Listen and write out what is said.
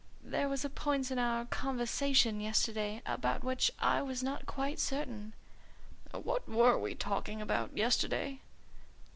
"There was a point in our conversation yesterday about which I was not quite certain " "What were we talking about yesterday?"